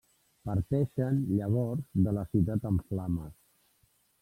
Parteixen llavors de la ciutat en flames.